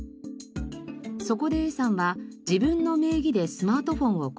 そこでＡさんは自分の名義でスマートフォンを購入。